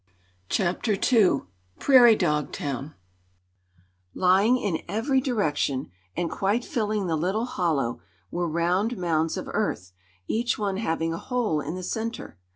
Chapter II Prarie Dog Town LYING in every direction, and quite filling the little hollow, were round mounds of earth, each one having a hole in the center.